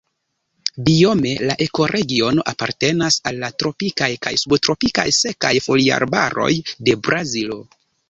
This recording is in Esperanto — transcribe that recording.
Biome la ekoregiono apartenas al tropikaj kaj subtropikaj sekaj foliarbaroj de Brazilo.